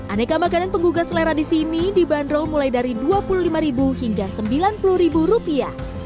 aneka makanan penggugah selera di sini dibanderol mulai dari dua puluh lima hingga sembilan puluh rupiah